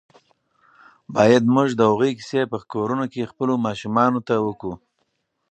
باید موږ د هغوی کیسې په کورونو کې خپلو ماشومانو ته وکړو.